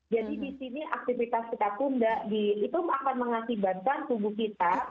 jadi di sini aktivitas kita tunda itu akan mengakibatkan tubuh kita